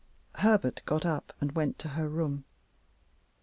Herbert got up and went to her room.